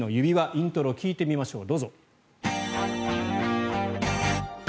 イントロを聴いてみましょう。